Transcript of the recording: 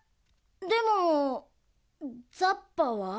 でもザッパは？